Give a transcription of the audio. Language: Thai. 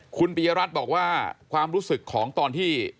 คุณปียรัฐบอกว่าความรู้สึกของตอนที่